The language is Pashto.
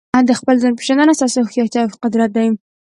د خپل ځان پېژندنه ستا هوښیارتیا او قدرت دی.